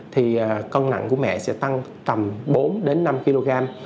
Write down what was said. thì cân nặng của mẹ sẽ tăng tầm bốn đến năm kg